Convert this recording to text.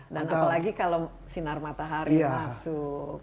dan apalagi kalau sinar matahari masuk